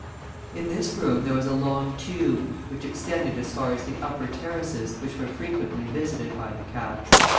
In this room there was a long tube, which extended as far as the upper terraces, which were frequently visited by the cats.